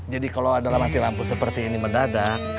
jadi kalau ada lampu seperti ini mendadak